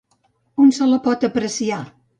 On se la pot apreciar?